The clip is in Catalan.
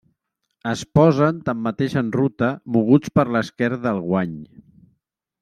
Es posen tanmateix en ruta, moguts per l'esquer del guany.